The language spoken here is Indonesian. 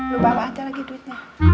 lo bawa aja lagi duitnya